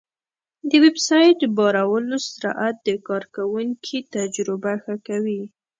د ویب سایټ بارولو سرعت د کارونکي تجربه ښه کوي.